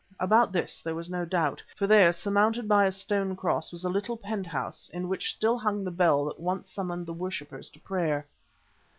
About this there was no doubt, for there, surmounted by a stone cross, was a little pent house in which still hung the bell that once summoned the worshippers to prayer.